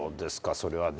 それはね